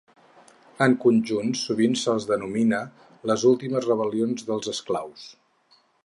En conjunt, sovint se'ls denomina "les últimes rebel·lions dels esclaus".